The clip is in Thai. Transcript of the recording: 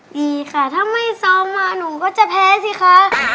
ดีค่ะถ้าไม่ซ้อมมาหนูก็จะแพ้สิคะ